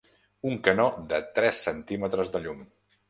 Un canó de tres centímetres de llum.